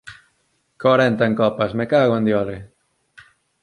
_¡Corenta en copas, me cago en diole!